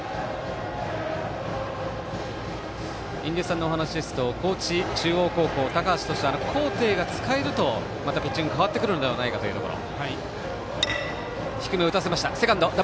印出さんのお話ですと高知中央高校高橋としては高低が使えるとまたピッチングが変わってくるのではないかというところ。